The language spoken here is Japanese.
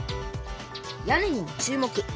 屋根にも注目。